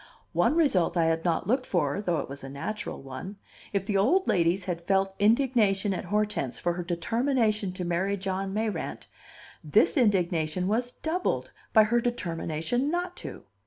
One result I had not looked for, though it was a natural one: if the old ladies had felt indignation at Hortense for her determination to marry John Mayrant, this indignation was doubled by her determination not to!